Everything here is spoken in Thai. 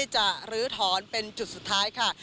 ลื้อถอนเป็นจุดสุดท้ายค่ะ